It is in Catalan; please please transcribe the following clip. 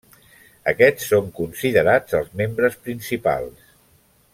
Aquests són considerats els membres principals.